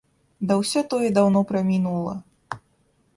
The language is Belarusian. Да ўсё тое даўно прамінула.